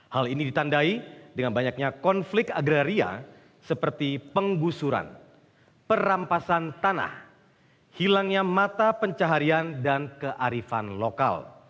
hal ini ditandai dengan banyaknya konflik agraria seperti penggusuran perampasan tanah hilangnya mata pencaharian dan kearifan lokal